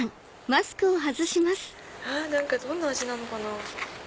どんな味なのかな？